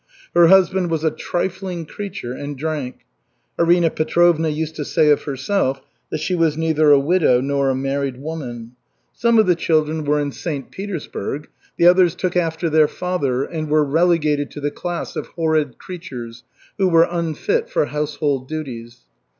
Her husband was a trifling creature, and drank. Arina Petrovna used to say of herself that she was neither a widow nor a married woman. Some of the children were in St. Petersburg, the others took after their father and were relegated to the class of "horrid creatures," who were unfit for household duties.